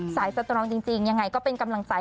สตรองจริงยังไงก็เป็นกำลังใจ